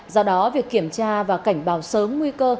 do đó việc kiểm tra và cảnh báo sớm nguy cơ